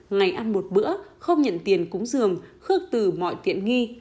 ngày ăn một bữa không nhận tiền cúng giường khước từ mọi tiện nghi